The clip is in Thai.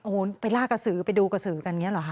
โอ้โหไปลากกระสือไปดูกระสือกันอย่างนี้เหรอคะ